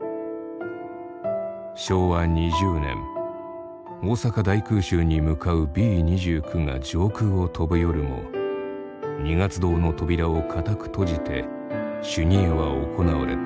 昭和２０年大阪大空襲に向かうＢ２９が上空を飛ぶ夜も二月堂の扉を固く閉じて修二会は行われた。